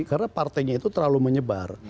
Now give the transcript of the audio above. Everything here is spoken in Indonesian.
karena partainya itu terlalu menyebar